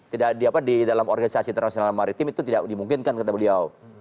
tidak di dalam organisasi internasional maritim itu tidak dimungkinkan kata beliau